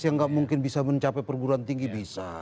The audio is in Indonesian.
yang gak mungkin bisa mencapai perguruan tinggi bisa